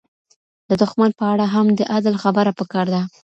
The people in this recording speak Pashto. د دښمن په اړه هم د عدل خبره پکار ده.